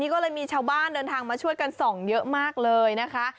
ก็เลยมีชาวบ้านเดินทางมาช่วยกันส่องเยอะมากเลยนะคะ